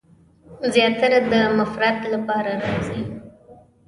زیاتره د مفرد لپاره راځي.